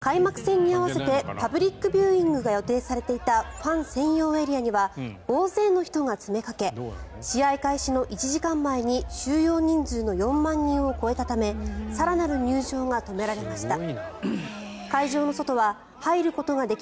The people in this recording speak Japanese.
一方、開幕戦に合わせてパブリックビューイングが予定されていたファン専用エリアには大勢の人が詰めかけ試合開始の１時間前に収容人数の４万人を超えたため更なる入場が止められました。